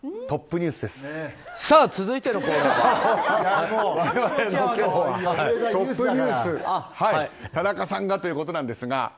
トップニュース田中さんがということなんですが。